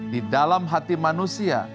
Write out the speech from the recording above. di dalam hati manusia